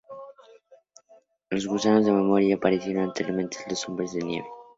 Los gusanos de memoria ya aparecieron anteriormente en "Los hombres de nieve".